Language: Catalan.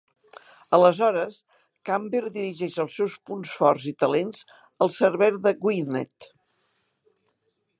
Aleshores, Camber dirigeix els seus punts forts i talents al servei de Gwynned.